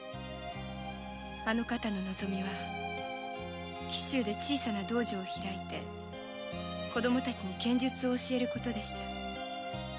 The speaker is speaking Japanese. あの方の望みは紀州で小さな道場を開いて子供達に剣術を教える事でした